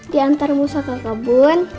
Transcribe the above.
di antar musaka kebun